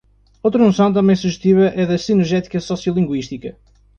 Outra noção também sugestiva é a da sinergética sociolinguística.